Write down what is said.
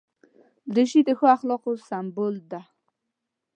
دریشي د ښو اخلاقو سمبول ده.